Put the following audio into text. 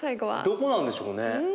どこなんでしょうね？